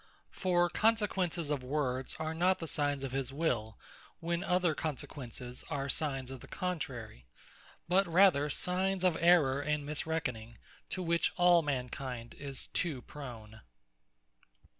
For consequences of words, are not the signes of his will, when other consequences are signes of the contrary; but rather signes of errour, and misreckoning; to which all mankind is too prone.